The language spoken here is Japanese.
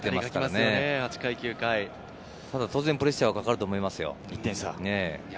ただ当然プレッシャーはかかると思います。